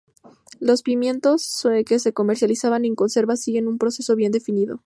Los pimientos que se comercializan en conserva siguen un proceso bien definido.